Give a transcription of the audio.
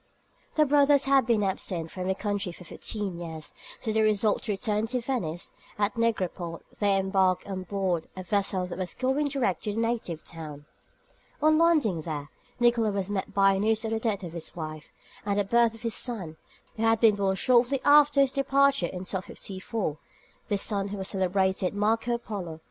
The brothers had been absent from their country for fifteen years, so they resolved to return to Venice, and at Negropont they embarked on board a vessel that was going direct to their native town. On landing there, Nicolo was met by news of the death of his wife, and of the birth of his son, who had been born shortly after his departure in 1254; this son was the celebrated Marco Polo.